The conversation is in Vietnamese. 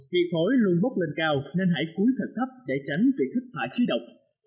vì khối luôn bốc lên cao nên hãy cúi thật thấp để tránh việc thất bại chứa độc